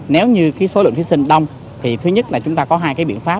nếu như số lượng thí sinh đông thì thứ nhất là chúng ta có hai cái biện pháp